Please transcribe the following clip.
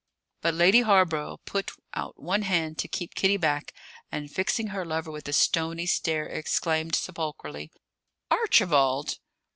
But Lady Hawborough put out one hand to keep Kitty back, and, fixing her lover with a stony stare, exclaimed sepulchrally: "Archibald!"